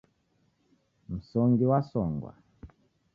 Msongi wasongwa.